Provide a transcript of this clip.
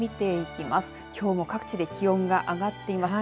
きょうも各地で気温が上がっています。